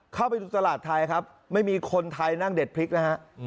เข้าไปดูตลาดไทยครับไม่มีคนไทยนั่งเด็ดพริกนะฮะ